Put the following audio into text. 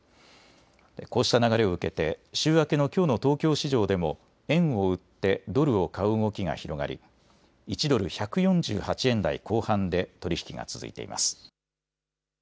こうした流れを受けて週明けのきょうの東京市場でも円を売ってドルを買う動きが広がり１ドル１４８円台後半で取り引きが続いています。